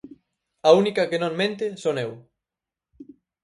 A única que non mente son eu.